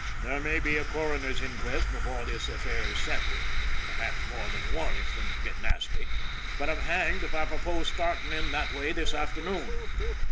" There may be a coroner's inquest before this affair is settled, perhaps more than one if things get nasty, but I'm hanged if I propose starting in that way this afternoon."